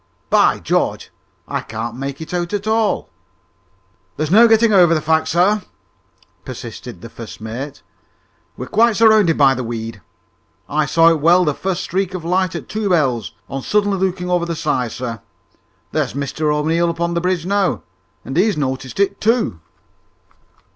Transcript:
"By George, I can't make it out at all!" "There's no getting over the fact, sir," persisted the first mate. "We're quite surrounded by the weed. I saw it well the first streak of light at two bells, on suddenly looking over the side, sir. There's Mr O'Neil up on the bridge now, and he has noticed it too!"